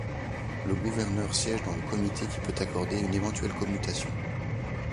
Le gouverneur siège dans le comité qui peut accorder une éventuelle commutation.